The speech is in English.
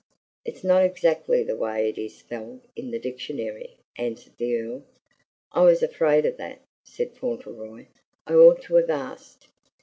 "It's not exactly the way it is spelled in the dictionary," answered the Earl. "I was afraid of that," said Fauntleroy. "I ought to have asked.